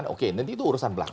oke nanti itu urusan belakang